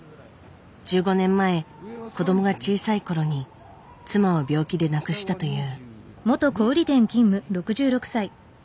１５年前子どもが小さい頃に妻を病気で亡くしたという。